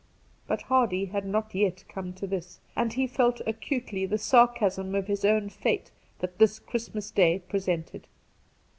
But Hardy had not yet come to this, and he felt acutely .the sarcasm on his own fate that this Christmas Day presented.